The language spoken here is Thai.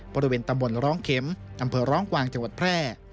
บริเวณตำบลร้องเข็มอำเภอร้องกวางจังหวัดแพร่